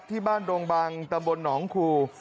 ที่บ้านโดงบังตำบลหนองคู่